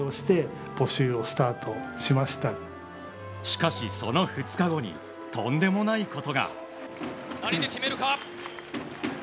しかし、その２日後にとんでもないことが。